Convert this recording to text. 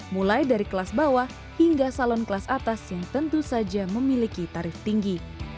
mulai dari kelas bawah hingga salon kelas atas yang tentu saja memiliki tarif tinggi